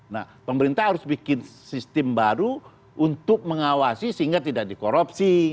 nah pemerintah harus bikin sistem baru untuk mengawasi sehingga tidak dikorupsi